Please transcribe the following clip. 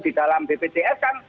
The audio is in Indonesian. di dalam bpjs kan